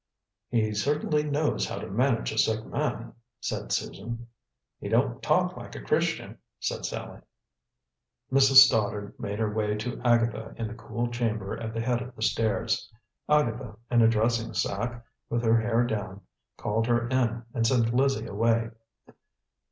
"He certainly knows how to manage a sick man," said Susan. "He don't talk like a Christian," said Sallie. Mrs. Stoddard made her way to Agatha in the cool chamber at the head of the stairs. Agatha, in a dressing sack, with her hair down, called her in and sent Lizzie away.